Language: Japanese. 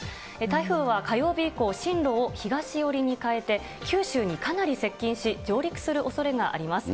台風は火曜日以降、進路を東寄りに変えて、九州にかなり接近し、上陸するおそれがあります。